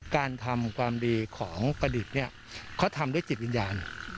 การทำความดีของประดิษฐ์เนี่ยเขาทำด้วยจิตวิญญาณ